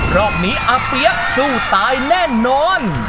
รอบนี้อัพยักษ์สู้ตายแน่นอน